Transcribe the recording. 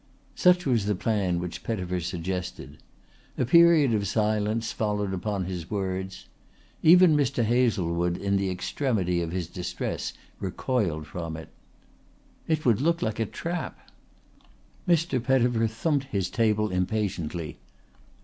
Such was the plan which Pettifer suggested. A period of silence followed upon his words. Even Mr. Hazlewood, in the extremity of his distress, recoiled from it. "It would look like a trap." Mr. Pettifer thumped his table impatiently.